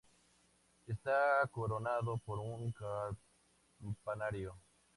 Está coronado por un campanario.